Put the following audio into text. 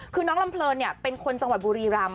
คือน้องลำเพลินเป็นคนจังหวัดบุรีรำ